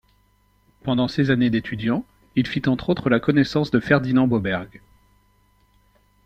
Pendant ses années d'étudiant, il fit entre autres la connaissance de Ferdinand Boberg.